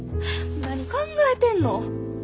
何考えてんの。